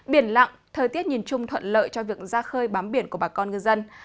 biển lặng thời tiết nhìn chung thuận lợi cho việc ra khơi bám biển của bà con ngư dân